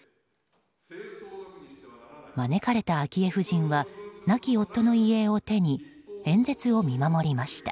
招かれた昭恵夫人は亡き夫の遺影を手に演説を見守りました。